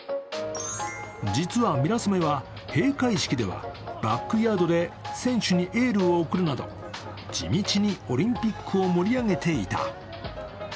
実はミラソメは閉会式ではバックヤードで選手にエールを贈るなど地道にオリンピックを盛り上げていた。